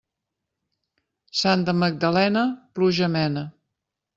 Santa Magdalena, pluja mena.